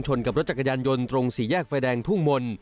กับรถจักรยานยนต์ตรงสี่แยกไฟแดงทุ่งมนต์